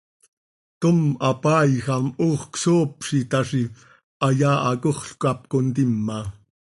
Tom hapaaijam hoox csoop z itaazi, hayaa hacoxl cap contima.